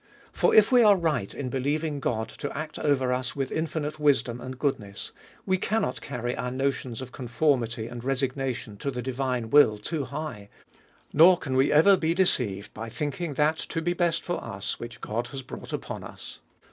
For, if we are right in believing; God to act over us with infinite wisdom and goodness, we cannot carry our notions, conformity _, and resignation to the divine will too high ; nor can we ever be deceived by thinking that to be best for us which God has brought upon us.